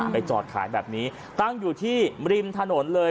ไปจอดขายแบบนี้ตั้งอยู่ที่ริมถนนเลย